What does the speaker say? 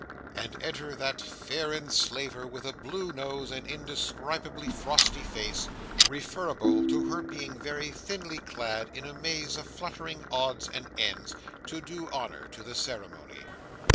And enter that fair enslaver, with a blue nose and indescribably frosty face, referable to her being very thinly clad in a maze of fluttering odds and ends, to do honour to the ceremony.